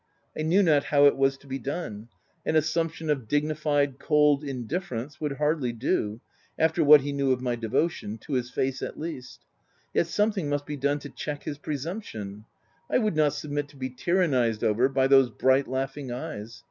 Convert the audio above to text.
I knew not how it was to be done ; an assump tion of dignified, cold indifference would hardly do after what he knew of my devotion — to his face, at least. Yet something must be done to check his presumption — I would riot submit to be tyrannized over by those bright, laughing eyes.